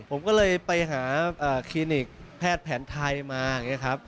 ผมก็เลยไปหาคลินิกแพทย์แผนไทยมา